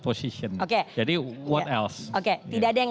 position jadi what else tidak ada yang